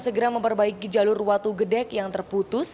segera memperbaiki jalur watu gedek yang terputus